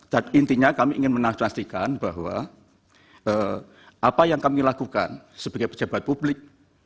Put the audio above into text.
dan intinya kami ingin menastikan bahwa apa yang kami lakukan sebagai pejabat publik